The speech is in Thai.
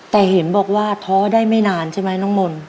แต่เห็นบอกว่าท้อได้ไม่นานใช่ไหมน้องมนต์